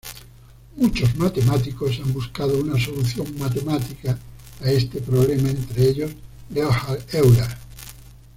Muchos matemáticos han buscado una solución matemática a este problema, entre ellos Leonhard Euler.